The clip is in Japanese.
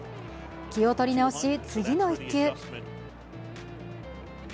気を取り直し、次の１球。